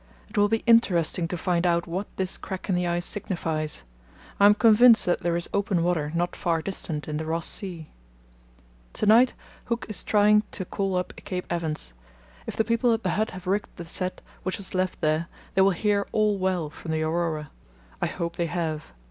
It will be interesting to find out what this crack in the ice signifies. I am convinced that there is open water, not far distant, in the Ross Sea.... To night Hooke is trying to call up Cape Evans. If the people at the hut have rigged the set which was left there, they will hear 'All well' from the Aurora. I hope they have.